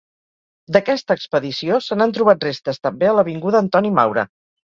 D'aquesta expedició, se n'han trobat restes també a l'avinguda Antoni Maura.